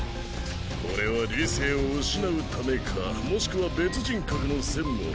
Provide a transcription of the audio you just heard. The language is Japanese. これは理性を失うためかもしくは別人格の線も。